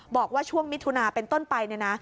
บอกว่าช่วงมิถุนาเป็นต้นไปเนี่ยนะ